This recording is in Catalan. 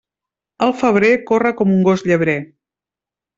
El febrer corre com un gos llebrer.